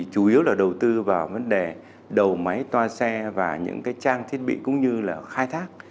chủ yếu là đầu tư vào vấn đề đầu máy toa xe và những trang thiết bị cũng như là khai thác